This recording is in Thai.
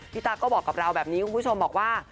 ตั๊กก็บอกกับเราแบบนี้คุณผู้ชมบอกว่า